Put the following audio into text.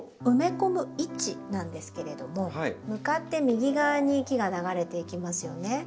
埋め込む位置なんですけれども向かって右側に木が流れていきますよね。